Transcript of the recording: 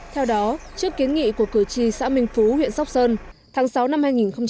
theo đó trước kiến nghị của cử tri xã minh phú huyện sóc sơn tháng sáu năm hai nghìn một mươi chín